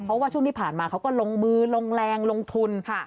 เพราะว่าช่วงที่ผ่านมาเขาก็ลงมือลงแรงลงทุน